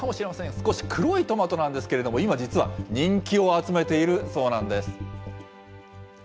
少し黒いトマトなんですけれども、今、実は人気を集めているそうなんです。